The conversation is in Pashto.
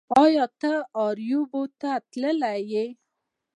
ایا ته اریوب ته تللی یې